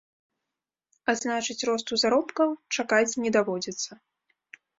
А значыць, росту заробкаў чакаць не даводзіцца.